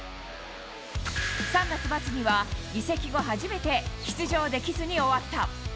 ３月末には移籍後、初めて出場できずに終わった。